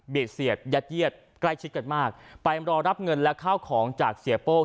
เสียดยัดเยียดใกล้ชิดกันมากไปรอรับเงินและข้าวของจากเสียโป้ง